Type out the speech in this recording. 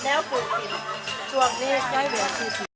แล้วปลูกกินช่วงนี้ใจเวียด